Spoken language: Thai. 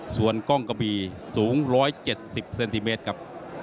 ส่วนกล้องกะบีสูง๑๗๐เซนติเมตรครับ